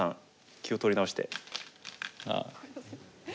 気を取り直して。